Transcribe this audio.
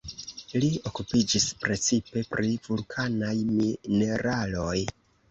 Li okupiĝis precipe pri vulkanaj mineraloj.